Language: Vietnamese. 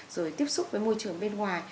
rồi tiếp xúc với môi trường bên ngoài